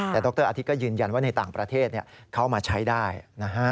แต่ดรอาทิตย์ก็ยืนยันว่าในต่างประเทศเขามาใช้ได้นะฮะ